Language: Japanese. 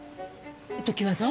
常葉さん？